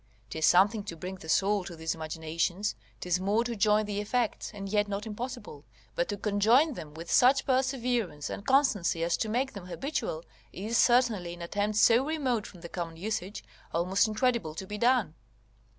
'Tis something to bring the soul to these imaginations; 'tis more to join the effects, and yet not impossible; but to conjoin them with such perseverance and constancy as to make them habitual, is certainly, in attempts so remote from the common usage, almost incredible to be done.